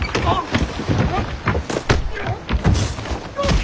あっ。